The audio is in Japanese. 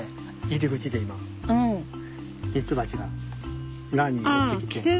入り口で今ミツバチがランに寄ってきて。